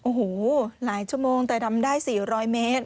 โอ้โหหลายชั่วโมงแต่ดำได้๔๐๐เมตร